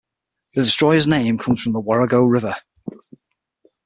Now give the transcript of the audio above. The destroyer's name comes from the Warrego River.